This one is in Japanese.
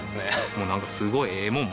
もうなんかすごいええもん